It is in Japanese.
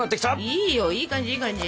いいよいい感じいい感じ！